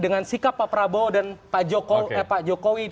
dengan sikap pak prabowo dan pak jokowi